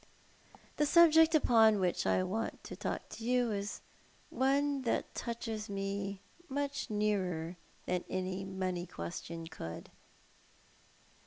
" The subject upon which I want to talk to you is one that touches me much nearer than any money question could."